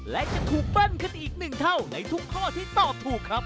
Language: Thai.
และจะถูกเบิ้ลขึ้นอีกหนึ่งเท่าในทุกข้อที่ตอบถูกครับ